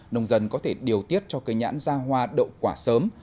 nông dân có thể điều tiết cho cây nhãn ra hoa đậu quả sớm